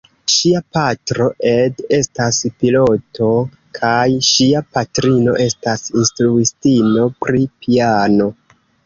Ŝia patro, Ed, estas piloto kaj ŝia patrino estas instruistino pri piano.